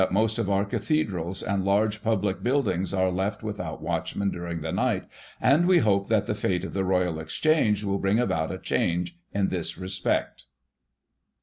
27 most of our cathedrals and large public buildings are left without watchmen during the night, and we hope that the fate of the Royal Exchange will bring about a change in this respect."